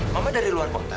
mama dari luar kota